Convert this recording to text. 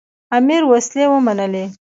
امیر وسلې ومنلې.